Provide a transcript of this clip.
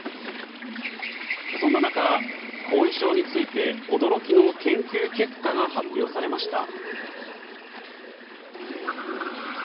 そんな中、後遺症について驚きの研究結果が発表されました。